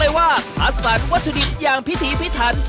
ย้อนวัสดิบอย่างพี่ถีพี่ธรรพ์